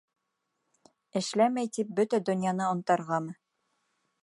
Эшләмәй тип бөтә донъяны онтарғамы?